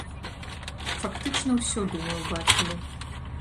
Фактычна ўсё, думаю, бачылі.